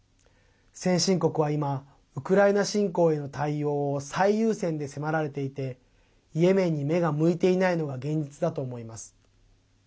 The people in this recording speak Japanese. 先進国は今ウクライナ侵攻への対応を最優先で迫られていてイエメンに目が向いていないのが現実だと思います。